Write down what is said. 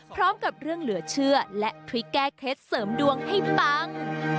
พร้อมกับเรื่องเหลือเชื่อและพริกแก้เคล็ดเสริมดวงให้ปัง